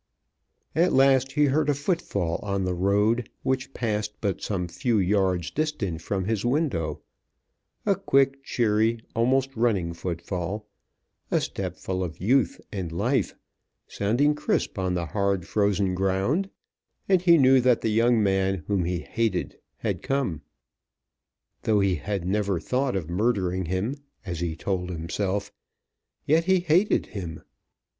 At last he heard a footfall on the road, which passed but some few yards distant from his window, a quick, cheery, almost running footfall, a step full of youth and life, sounding crisp on the hard frozen ground; and he knew that the young man whom he hated had come. Though he had never thought of murdering him, as he told himself, yet he hated him.